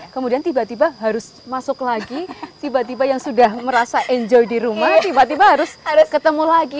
kemudian tiba tiba harus masuk lagi tiba tiba yang sudah merasa enjoy di rumah tiba tiba harus ketemu lagi